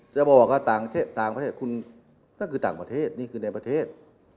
จะบอกว่าต่างประเทศคุณก็คือต่างประเทศนี่คือในประเทศ